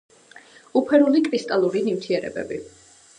უფერული კრისტალური ნივთიერებები.